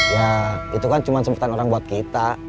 ya itu kan cuma sebutan orang buat kita